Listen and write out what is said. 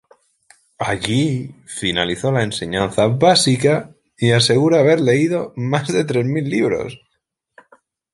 Allí, finalizó la enseñanza básica y asegura haber leído más de tres mil libros.